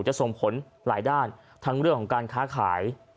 จะส่งผลหลายด้านทั้งเรื่องของการค้าขาย